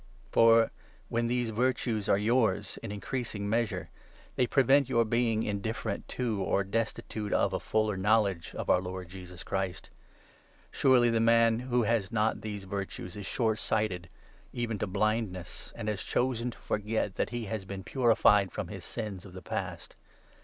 7 For, when these virtues are yours, in increasing measure, they 8 prevent your being indifferent to, or destitute of, a fuller knowledge of our Lord Jesus Christ. Surely the man who 9 has not these virtues is shortsighted even to blindness, and has chosen to forget that he has been purified from his sins of the past